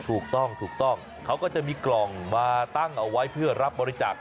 ถูกต้องถูกต้องเขาก็จะมีกล่องมาตั้งเอาไว้เพื่อรับบริจาค